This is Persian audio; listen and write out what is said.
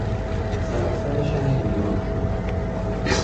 سراسر شهر ویران شد.